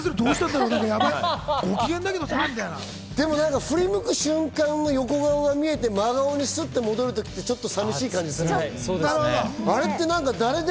でも、振り向く瞬間の横顔が見えて真顔に戻ると、ちょっと寂しい感じするよね。